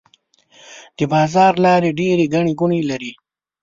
د بازار لارې ډيرې ګڼې ګوڼې لري.